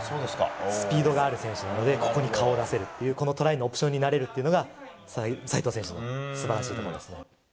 スピードがある選手なので、ここに顔を出せるっていう、このトライのオプションになれるっていうのが、齋藤選手のすばら